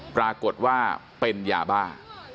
ปรากฏว่าเป็นยาบ้า